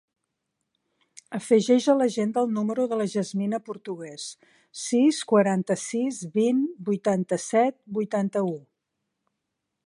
Afegeix a l'agenda el número de la Yasmina Portugues: sis, quaranta-sis, vint, vuitanta-set, vuitanta-u.